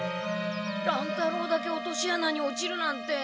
乱太郎だけ落としあなに落ちるなんて。